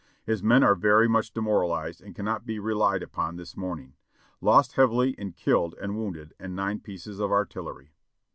His men are very much demoralized and cannot be relied upon this morning. Lost heavily in killed and wounded, and nine pieces of artillery."